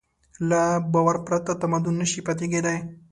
له باور پرته تمدن نهشي پاتې کېدی.